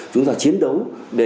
chúng ta chiến đấu